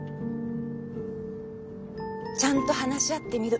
ちゃんと話し合ってみる。